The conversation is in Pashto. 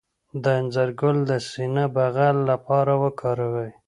د انځر ګل د سینه بغل لپاره وکاروئ